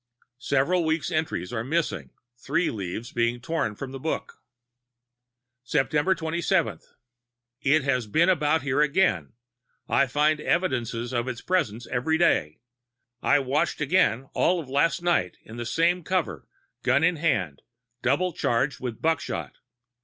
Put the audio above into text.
..." Several weeks' entries are missing, three leaves being torn from the book. "Sept. 27. It has been about here again I find evidences of its presence every day. I watched again all of last night in the same cover, gun in hand, double charged with buckshot.